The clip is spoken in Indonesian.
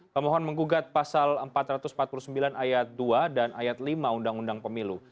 pemohon menggugat pasal empat ratus empat puluh sembilan ayat dua dan ayat lima undang undang pemilu